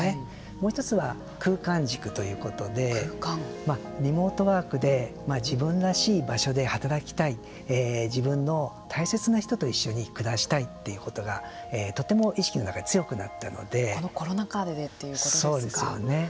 もう１つは、空間軸ということでリモートワークで自分らしい場所で働きたい自分の大切な人と一緒に暮らしたいっていうことがこのコロナ禍でそうですよね。